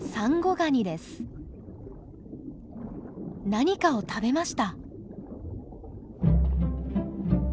何かを食べました！